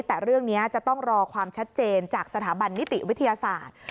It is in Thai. แต่เรื่องนี้จะต้องรอความชัดเจนจากสถาบันนิติวิทยาศาสตร์